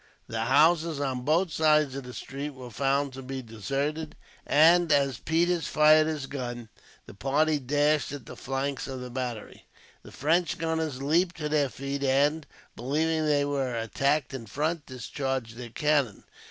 The houses on both sides of the street were found to be deserted, and as Peters fired his pistol, the party dashed at the flanks of the battery. The French gunners leaped to their feet and, believing that they were attacked in front, discharged their cannon.